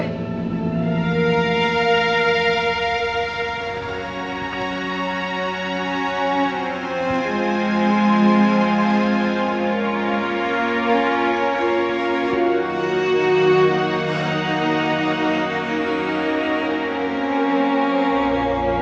ga itu ya sembron